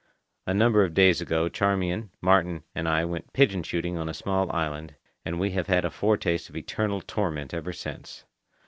A number of days ago Charmian, Martin, and I went pigeon shooting on a small island, and we have had a foretaste of eternal torment ever since.